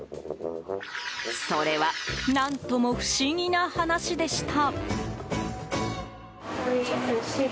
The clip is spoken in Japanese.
それは何とも不思議な話でした。